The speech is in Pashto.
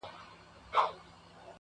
چي ته ورته دانې د عاطفې لرې که نه,